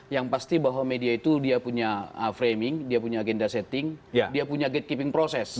yang pasti bahwa media itu dia punya framing dia punya agenda setting dia punya gatekeeping process